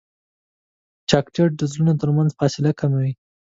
چاکلېټ د زړونو ترمنځ فاصله کموي.